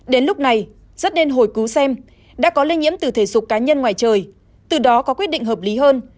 đến lúc này rất nên hồi cứu xem đã có lây nhiễm từ thể dục cá nhân ngoài trời từ đó có quyết định hợp lý hơn